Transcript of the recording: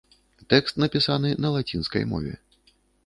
Тэкст напісаны на лацінскай мове.